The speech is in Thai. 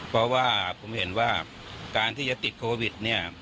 เพราะว่าผมเห็นว่าการที่จะติดโควิดเนี่ย